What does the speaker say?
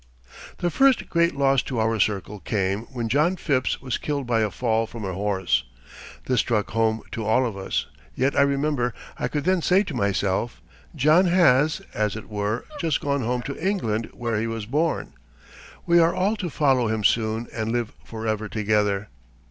The first great loss to our circle came when John Phipps was killed by a fall from a horse. This struck home to all of us, yet I remember I could then say to myself: "John has, as it were, just gone home to England where he was born. We are all to follow him soon and live forever together."